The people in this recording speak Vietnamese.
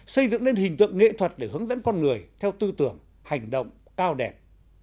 xây dựng nên hình tượng nghệ thuật để hướng dẫn con người theo tư tưởng hành động cao đẹp